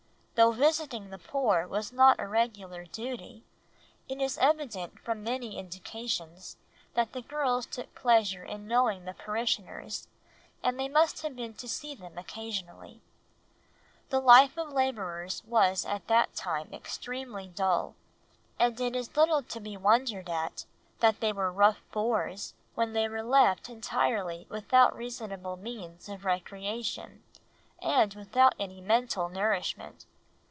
Though visiting the poor was not a regular duty, it is evident from many indications that the girls took pleasure in knowing the parishioners, and they must have been to see them occasionally. The life of labourers was at that time extremely dull, and it is little to be wondered at that they were rough boors when they were left entirely without reasonable means of recreation, and without any mental nourishment.